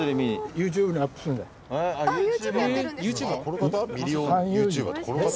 ＹｏｕＴｕｂｅやってるんですね。